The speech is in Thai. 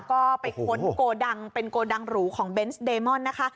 ก็ไปค้นโกดังเป็นโกดังหรูของเบนส์เดมอนนะคะ